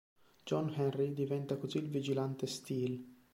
John Henry diventa così il vigilante Steel.